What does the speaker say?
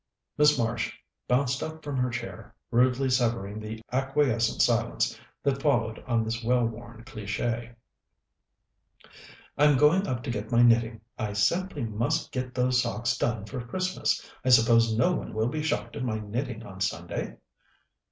Miss Marsh bounced up from her chair, rudely severing the acquiescent silence that followed on this well worn cliché. "I'm going up to get my knitting. I simply must get those socks done for Christmas. I suppose no one will be shocked at my knitting on Sunday?"